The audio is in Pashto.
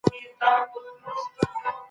هغه د کابل خلکو ته وویل، خپلواکي زموږ ویاړ دی.